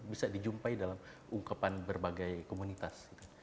bisa dijumpai dalam ungkapan berbagai komunitas